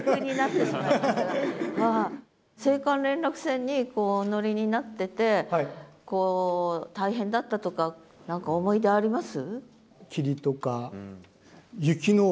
急に青函連絡船にお乗りになってて大変だったとか何か思い出あります？